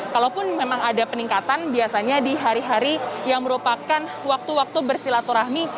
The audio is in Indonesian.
kalaupun memang ada peningkatan biasanya di hari hari yang merupakan waktu waktu bersilaturahmi